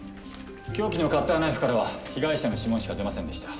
凶器のカッターナイフからは被害者の指紋しか出ませんでした。